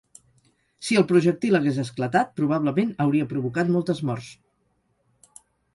Si el projectil hagués esclatat probablement hauria provocat moltes morts.